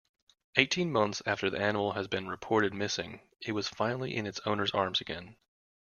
Eighteen months after the animal has been reported missing it was finally in its owner's arms again.